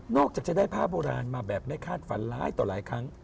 จากจะได้ผ้าโบราณมาแบบไม่คาดฝันร้ายต่อหลายครั้ง